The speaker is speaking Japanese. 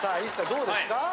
どうですか？